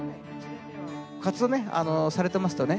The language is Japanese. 活動ねされてますとね